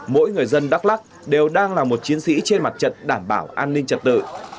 mỗi người dân đắk lắc đều đang là một chiến sĩ trên mặt trận đảm bảo an ninh trật tự